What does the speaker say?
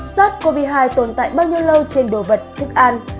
sars cov hai tồn tại bao nhiêu lâu trên đồ vật thức ăn